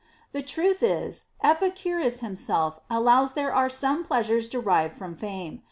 The truth is, Epicurus himself allows there are some pleasures derived from fame.